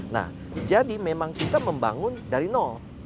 nah jadi memang kita membangun dari nol